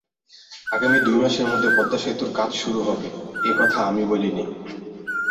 আগামী দুই মাসের মধ্যে পদ্মা সেতুর কাজ শুরু হবে—এ কথা আমি বলিনি।